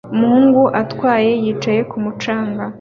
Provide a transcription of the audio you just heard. Umuhungu atwaye yicaye kumu canga